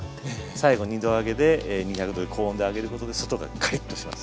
最後２度揚げで２００℃の高温で揚げることで外がカリッとします。